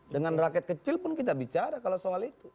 dengan rakyat kecil pun kita bicara kalau soal itu